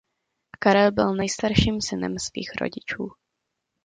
Karel byl nejstarším synem svých rodičů.